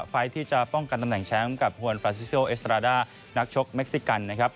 ไฟล์ที่จะป้องกันตำแหน่งแชมป์กับฮวนฟราซิโซเอสราด้านักชกเม็กซิกันนะครับ